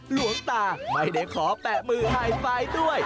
หลวงตาไม่ได้ขอแปะมือไฮไฟล์ด้วย